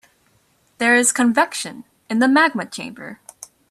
There is convection in the magma chamber.